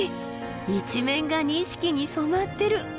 一面が錦に染まってる。